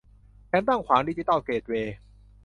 แถมตั้งขวางดิจิทัลเกตเวย์